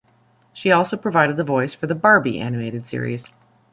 She also provided the voice for the "Barbie" animated series.